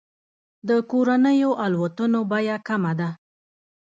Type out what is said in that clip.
د کورنیو الوتنو بیه کمه ده.